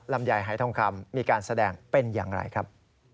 ลำไยหายทองคำมีการแสดงเป็นอย่างไรครับ